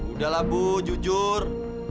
udahlah bu jujur